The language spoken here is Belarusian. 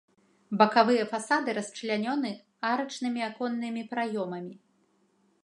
Бакавыя фасады расчлянёны арачнымі аконнымі праёмамі.